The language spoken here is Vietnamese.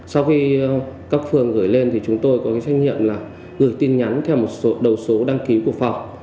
sau khi cấp phường gửi lên thì chúng tôi có cái trách nhiệm là gửi tin nhắn theo một số đầu số đăng ký của phòng